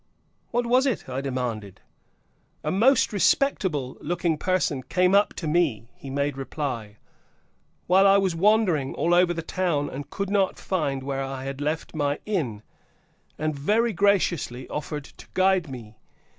"What was it?" I demanded. "A most respectable looking person came up to me," he made reply, "while I was wandering all over the town and could not find where I had left my inn, and very graciously offered to guide me.